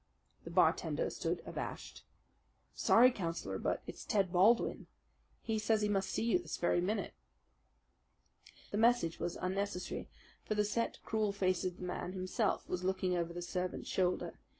The bartender stood abashed. "I'm sorry, Councillor, but it's Ted Baldwin. He says he must see you this very minute." The message was unnecessary; for the set, cruel face of the man himself was looking over the servant's shoulder.